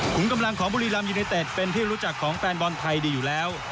กำลังของบุรีรัมยูเนเต็ดเป็นที่รู้จักของแฟนบอลไทยดีอยู่แล้ว